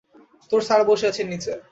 তোর স্যার বসে আছেন নিচে।